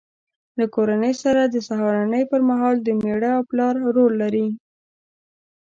له کورنۍ سره د سهارنۍ پر مهال د مېړه او پلار رول لري.